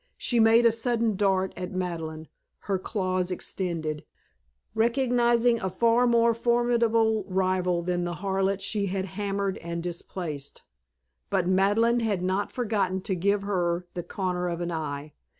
She made a sudden dart at Madeleine, her claws extended, recognizing a far more formidable rival than the harlot she had hammered and displaced. But Madeleine had not forgotten to give her the corner of an eye.